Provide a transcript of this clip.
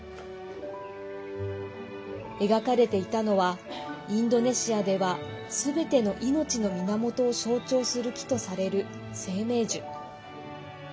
描かれていたのはインドネシアではすべての命の源を象徴する木とされる生命樹。